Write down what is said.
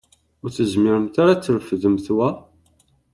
Ur tezmiremt ara ad trefdemt wa?